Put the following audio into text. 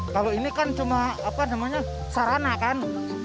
kalau ini kan cuma apa namanya sarana kan